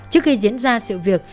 trước khi diễn ra sự việc